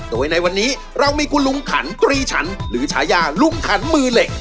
โดยในวันนี้เรามีคุณลุงขันตรีฉันหรือฉายาลุงขันมือเหล็ก